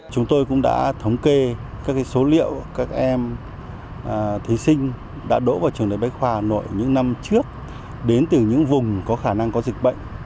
chúng tôi cũng đã thống kê các số liệu các em thí sinh đã đổ vào trường đại bách khoa hà nội những năm trước đến từ những vùng có khả năng có dịch bệnh